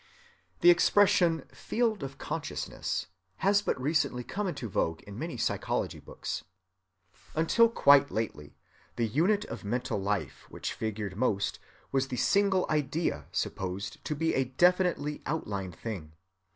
The expression "field of consciousness" has but recently come into vogue in the psychology books. Until quite lately the unit of mental life which figured most was the single "idea" supposed to be a definitely outlined thing.